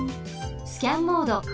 スキャンモード。